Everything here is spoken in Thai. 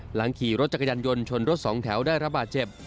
หลังขี่รถจักรยานยนต์ชนรถสองแถวได้ระบาดเจ็บ